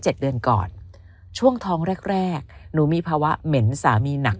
เดือนก่อนช่วงท้องแรกแรกหนูมีภาวะเหม็นสามีหนัก